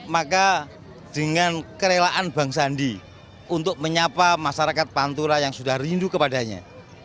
maka dengan kerelaan bang sandi untuk menyapa masyarakat pantura yang sudah rindu kepadanya